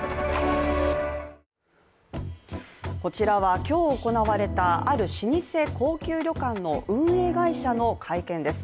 こちらは今日行われた、ある老舗高級旅館の運営会社の会見です。